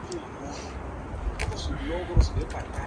Національний відбір; traducido como Eurovision.